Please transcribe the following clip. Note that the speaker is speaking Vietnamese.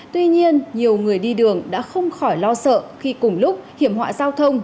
tuy nhiên nhiều người đi đường đã không khỏi lo sợ khi cùng lúc hiểm họa giao thông